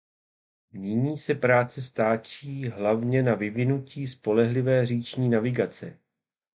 Nyní se práce stáčí hlavně na vyvinutí spolehlivé říční navigace.